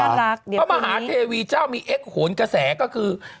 เพราะมหาทีวีเจ้ามีเอกหวนกระแสก็คือ